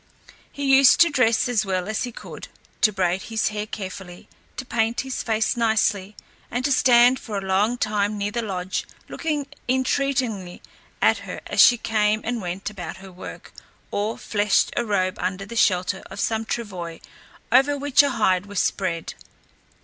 He used to dress as well as he could, to braid his hair carefully, to paint his face nicely, and to stand for a long time near the lodge looking entreatingly at her as she came and went about her work, or fleshed a robe under the shelter of some travois over which a hide was spread.